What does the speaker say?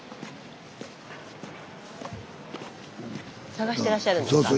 探してらっしゃるんですか？